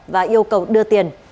và yêu cầu đưa tiền